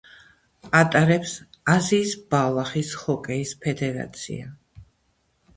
ატარებს აზიის ბალახის ჰოკეის ფედერაცია.